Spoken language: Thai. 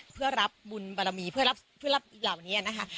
เพื่อรับบุญบารมีเพื่อรับเหล่านี้นะคะ